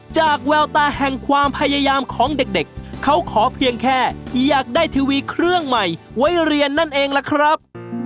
แววตาแห่งความพยายามของเด็กเขาขอเพียงแค่อยากได้ทีวีเครื่องใหม่ไว้เรียนนั่นเองล่ะครับ